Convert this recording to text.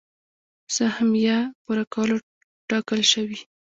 سهميه پوره کولو ټاکل شوي.